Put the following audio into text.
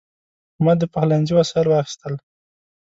ما د پخلنځي وسایل واخیستل.